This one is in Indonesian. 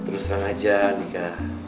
terus terang aja nika